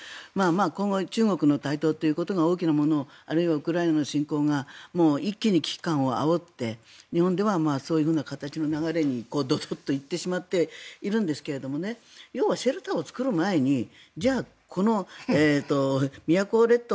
今後、中国の台頭ということが大きなものをあるいはウクライナの侵攻が一気に危機感をあおって日本ではそういう形の流れにドドッといってしまっているんですが要はシェルターを作る前にじゃあ、宮古列島